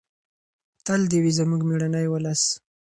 تل دې وي زموږ مېړنی ولس.